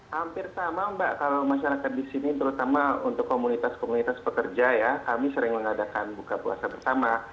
hampir sama mbak kalau masyarakat di sini terutama untuk komunitas komunitas pekerja ya kami sering mengadakan buka puasa bersama